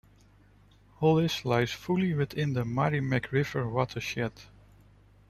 Hollis lies fully within the Merrimack River watershed.